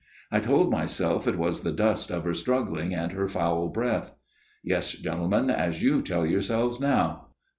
I told myself it was the dust of her struggling and her foul breath. Yes, gentlemen, as you tell your selves now.